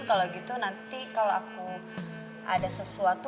kalau gitu nanti kalau aku ada sesuatu